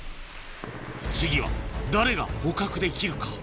次は誰が捕獲できるか？